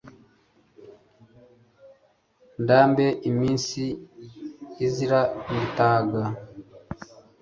ndambe iminsi izira imitaga